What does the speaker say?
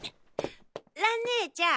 蘭ねえちゃん